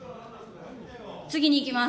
次にいきます。